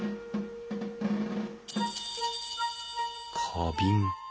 花瓶。